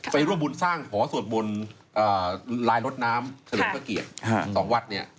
ไปร่วมบุญสร้างห่อสวดบนรายรถน้ำสะลมเกลียด๒วัดเนี่ย